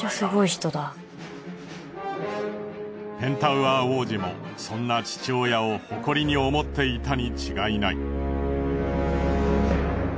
ペンタウアー王子もそんな父親を誇りに思っていたに違いない。